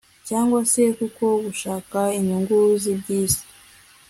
cyangwa se kubwo gushaka inyungu zibyisi